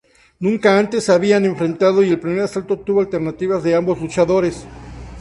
Nunca antes se habían enfrentado y el primer asalto tuvo alternativas de ambos luchadores.